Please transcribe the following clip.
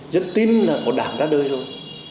dân tin là một đảng ra đời rồi